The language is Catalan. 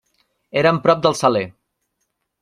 Eren prop del Saler.